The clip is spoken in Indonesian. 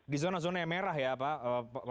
di zona zona merah ya pak